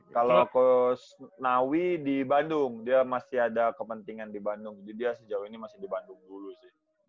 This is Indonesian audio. kalau gus nawi di bandung dia masih ada kepentingan di bandung jadi dia sejauh ini masih di bandung dulu sih